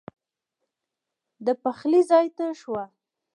د پخلي ځای ته شوه.